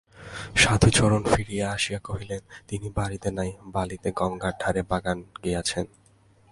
সাধুচরণ ফিরিয়া আসিয়া কহিলেন, তিনি বাড়িতে নাই, বালিতে গঙ্গার ধারে বাগানে গিয়াছেন।